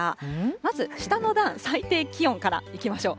まず下の段、最低気温からいきましょう。